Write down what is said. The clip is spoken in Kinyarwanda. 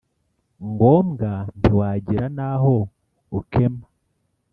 ngombwa ntiwagira n’aho ukema